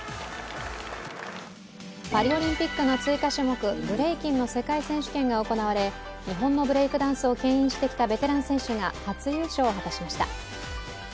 パリオリンピックの追加種目、ブレイキンの世界選手権が行われ、日本のブレイクダンスをけん引してきたベテラン選手が初優勝を果たしました。